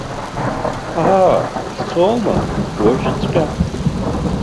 Аа, ҳцоума, уажәыҵәҟьа.